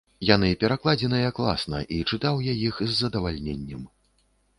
Яны перакладзеныя класна, і чытаў я іх з задавальненнем.